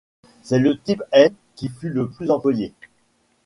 C'est le type L qui fut le plus employé.